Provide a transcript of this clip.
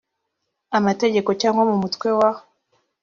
amategeko cyangwa mu mutwe wa